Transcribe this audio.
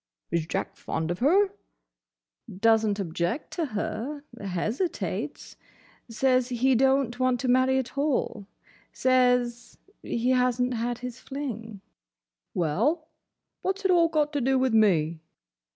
"Is Jack fond of her?" "Does n't object to her. Hesitates. Says he don't want to marry at all. Says he has n't had his fling." "Well—what's it all got to do with me?"